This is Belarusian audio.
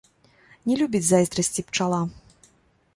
Не любіць зайздрасці пчала